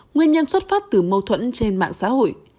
nguyên nhân xuất phát từ mâu thuẫn trên mạng xã hội